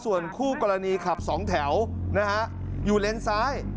ส่วนคู่กรณีขับ๒แถวอยู่เลนซ้าย